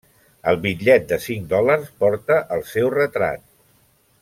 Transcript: El bitllet de cinc dòlars porta el seu retrat.